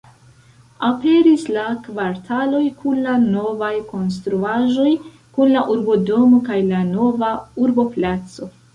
Aperis la kvartaloj kun la novaj konstruaĵoj kun la urbodomo kaj la nova urboplaco.